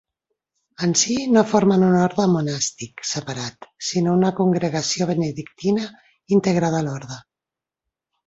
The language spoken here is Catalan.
En si, no formen un orde monàstic separat, sinó una congregació benedictina integrada a l'orde.